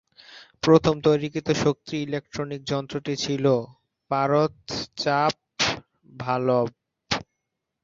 প্রথম তৈরিকৃত শক্তি ইলেক্ট্রনিক যন্ত্রটি ছিল পারদ-চাপ ভালভ।